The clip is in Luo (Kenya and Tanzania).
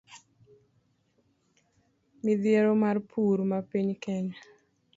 Midhiero mar pur ma piny Kenya